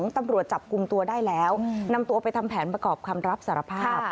ตำรวจจับกลุ่มตัวได้แล้วนำตัวไปทำแผนประกอบคำรับสารภาพ